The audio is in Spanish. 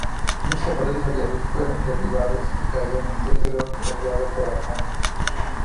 Muchos aparatos aliados, fueron derribados y cayeron en territorio controlado por Alemania.